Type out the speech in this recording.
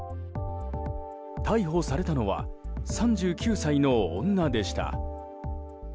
逮捕されたのは３９歳の女でした。